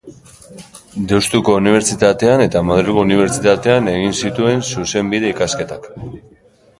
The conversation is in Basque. Deustuko Unibertsitatean eta Madrilgo Unibertsitatean egin zituen Zuzenbide ikasketak.